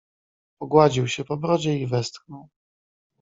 "Pogładził się po brodzie i westchnął."